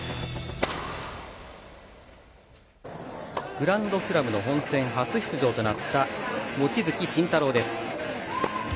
グランドスラムの本戦初出場となった望月慎太郎です。